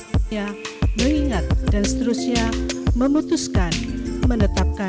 saya mengingat dan seterusnya memutuskan menetapkan